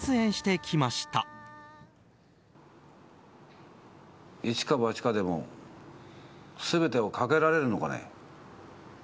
いちかばちかでも全てをかけられるのかね。